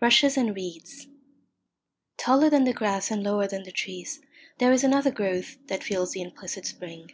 RUSHES AND REEDS Taller than the grass and lower than the trees, there is another growth that feels the implicit spring.